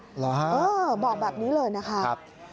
หรอครับครับบอกแบบนี้เลยนะคะครับ